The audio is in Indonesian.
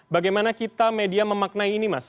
bagaimana kita media memaknai ini mas